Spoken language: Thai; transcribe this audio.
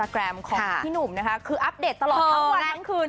แกรมของพี่หนุ่มนะคะคืออัปเดตตลอดทั้งวันทั้งคืน